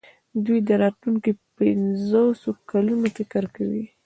دوی د راتلونکو پنځوسو کلونو فکر کوي.